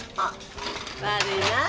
悪いなぁ。